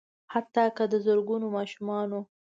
حتا که د زرګونو ماشومانو